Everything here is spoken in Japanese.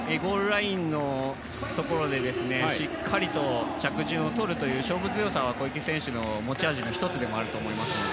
ゴールラインのところで、しっかりと着順を取るという勝負強さは小池選手の持ち味の一つでもあると思います。